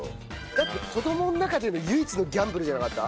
だって子どもの中での唯一のギャンブルじゃなかった？